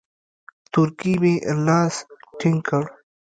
تورکي مې لاس ټينگ کړ.